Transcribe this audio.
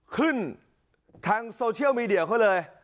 ขึ้นทางโซเชียลมีเดียเขาเลย